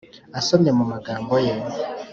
asomye mu magambo ye;